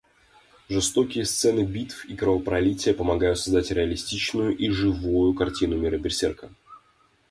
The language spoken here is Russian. Жестокие сцены битв и кровопролитие помогают создать реалистичную и живую картину мира Берсерка.